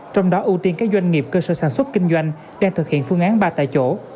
trong đó ưu tiên các doanh nghiệp cơ sở sản xuất kinh doanh đang thực hiện phương án ba tại chỗ